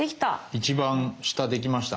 一番下できました。